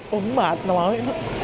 cũng mệt mỏi